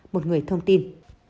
một người thông tin